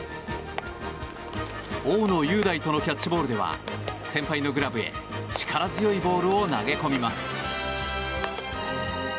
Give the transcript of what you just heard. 大野雄大とのキャッチボールでは先輩のグラブへ力強いボールを投げ込みます。